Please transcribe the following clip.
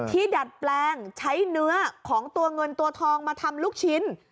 ดัดแปลงใช้เนื้อของตัวเงินตัวทองมาทำลูกชิ้น